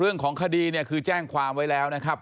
เรื่องของคดีเนี่ยคือแจ้งความไว้แล้วนะครับ